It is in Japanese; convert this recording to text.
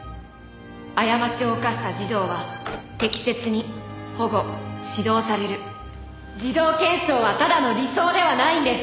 「あやまちをおかした児童は適切に保護指導される」児童憲章はただの理想ではないんです！